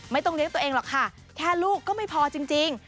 ไม่ต้องเลี้ยงตัวเองหรอกค่ะแค่ลูกก็ไม่พอจริง